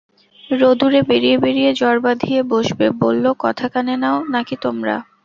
রোদুরে বেড়িয়ে বেড়িয়ে জ্বর বাঁধিয়ে বসবে, বলল কথা কানে নাও নাকি তোমরা?